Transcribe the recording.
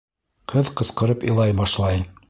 Ҡыҙ ҡысҡырып илай башлай.